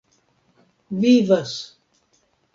vivas